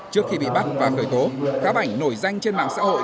trước khi bị bắt và khởi tố khá bảnh nổi danh trên mạng xã hội